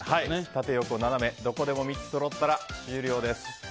縦、横、斜めどこでも３つそろったら終了です。